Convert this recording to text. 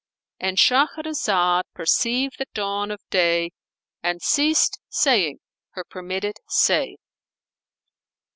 "—And Shahrazad perceived the dawn of day and ceased saying her permitted say.